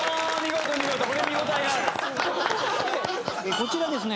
こちらですね